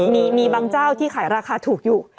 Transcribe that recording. มีบางเจ้าที่ขายราคาถูกอยู่